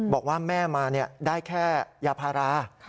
บอกว่าแม่มาได้แค่ยาพารา